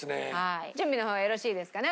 準備の方はよろしいですかね